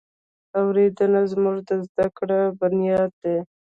اورېدنه زموږ د زده کړې بنیاد دی.